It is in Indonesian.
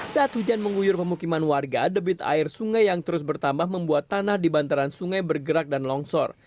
saat hujan mengguyur pemukiman warga debit air sungai yang terus bertambah membuat tanah di bantaran sungai bergerak dan longsor